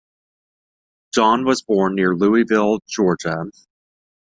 John was born near Louisville, Georgia.